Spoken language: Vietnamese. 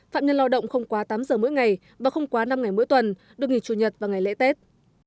phạm nhân lo động không quá tám giờ mỗi ngày và không quá năm ngày mỗi tuần được nghỉ chủ nhật và ngày lễ tết